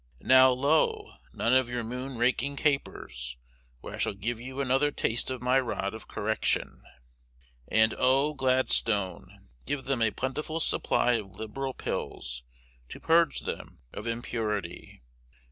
Now, Lowe, none of your moon raking capers, or I shall give you another taste of my rod of correction. And, oh, Gladstone, give them a plentiful supply of Liberal pills, to purge them of impurity.